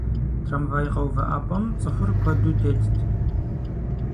Трамвай къэувыӀэпӀэм цӀыхур куэду тетт.